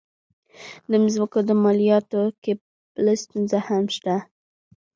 د مځکو په مالیاتو کې بله ستونزه هم شته.